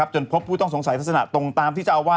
จนพบผู้ต้องสงสัยลักษณะตรงตามที่เจ้าอาวาส